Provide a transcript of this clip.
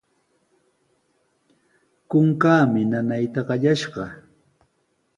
Kunkaami nanayta qallashqa.